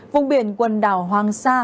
vùng biển quần đảo hoàng sa